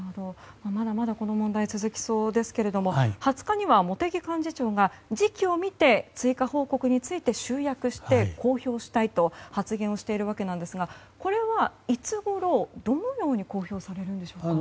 まだまだ、この問題続きそうですが２０日には茂木幹事長が時期を見て追加報告について集約して公表したいと発言をしているわけですがこれはいつごろ、どのように公表されるんでしょうか。